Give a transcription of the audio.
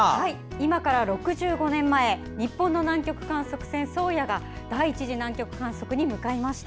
今から６５年前日本の南極観測船「宗谷」が第１次南極観測に向かいました。